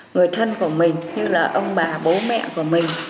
người thân của mình như là ông bà bố mẹ của mình